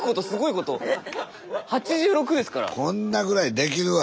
こんなぐらいできるわ。